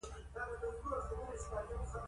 او دى به هم ورسره تېز وڅرخېد.